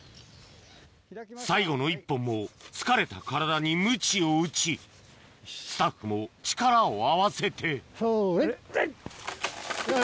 最後の１本も疲れた体にムチを打ちスタッフも力を合わせてそれ。